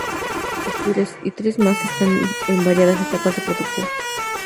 Pictures, y tres más están en variadas etapas de producción.